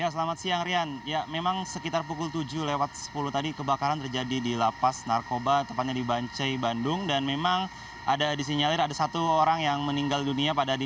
selamat siang rian